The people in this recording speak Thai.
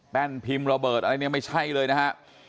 แป้นพิมพ์ระเบิดอะไรไม่ใช่เลยนะครับ